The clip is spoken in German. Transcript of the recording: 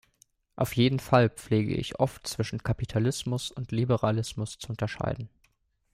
Auf jeden Fall pflege ich oft zwischen Kapitalismus und Liberalismus zu unterscheiden.